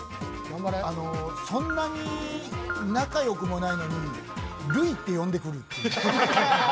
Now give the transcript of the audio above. そんなに仲良くもないのに、塁って呼んでくる。